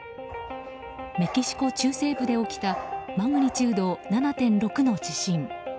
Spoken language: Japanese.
メキシコ中西部で起きたマグニチュード７．６の地震。